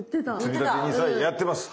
つみたてＮＩＳＡやってます。